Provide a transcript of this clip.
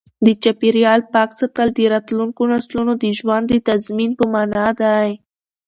د چاپیریال پاک ساتل د راتلونکو نسلونو د ژوند د تضمین په مانا دی.